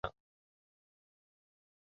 Sorry, Bob বলল তুমি রাগ করবে না।